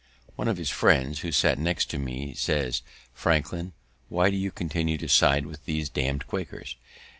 One of his friends, who sat next to me, says, "Franklin, why do you continue to side with these damn'd Quakers?